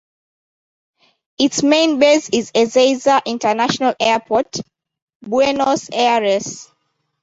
Its main base is Ezeiza International Airport, Buenos Aires.